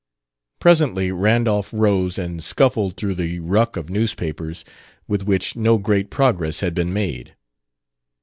Presently Randolph rose and scuffled through the ruck of newspapers, with which no great progress had been made.